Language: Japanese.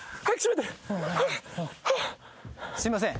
すいません。